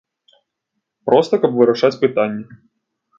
Проста каб вырашаць пытанні.